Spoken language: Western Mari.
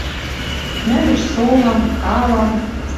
Нӓлеш солам, халам.